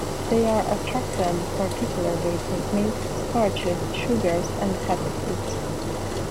They are attracted particularly to meats, starches, sugars, and fatty foods.